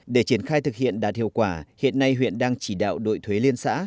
để triển khai thực hiện đạt hiệu quả hiện nay huyện đang chỉ đạo đội thuế liên xã